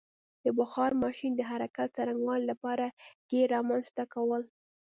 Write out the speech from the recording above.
د بخار ماشین د حرکت څرنګوالي لپاره ګېر رامنځته کول.